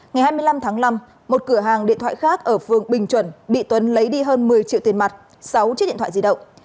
ngày hai mươi năm tháng năm một cửa hàng điện thoại khác ở phường bình chuẩn bị tuấn lấy đi hơn một mươi triệu tiền mặt sáu chiếc điện thoại di động